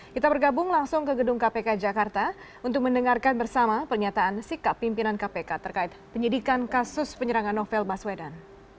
kita bergabung langsung ke gedung kpk jakarta untuk mendengarkan bersama pernyataan sikap pimpinan kpk terkait penyidikan kasus penyerangan novel baswedan